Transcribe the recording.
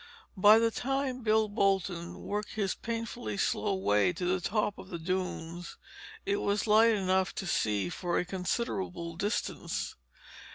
By the time Bill Bolton worked his painfully slow way to the top of the dunes it was light enough to see for a considerable distance.